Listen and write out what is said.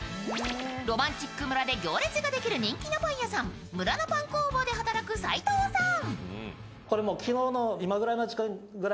ろまんちっく村で行列ができる人気のパン屋さん村のパン工房で働く斉藤さん。